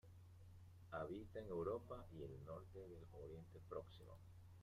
Habita en Europa y el norte del Oriente Próximo.